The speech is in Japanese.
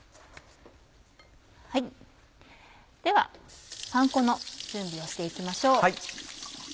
ではパン粉の準備をして行きましょう。